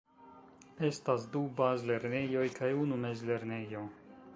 Estas du bazlernejoj kaj unu mezlernejo.